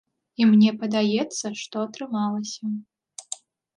І мне падаецца, што атрымалася.